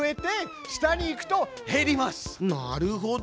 なるほど。